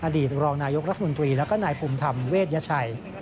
อดีตรองนายกรัฐมนตรีแล้วก็นายภูมิธรรมเวชยชัย